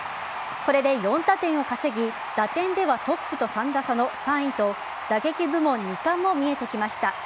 これで４打点を稼ぎ打点ではトップと３打差の３位と打撃部門２冠も見えてきました。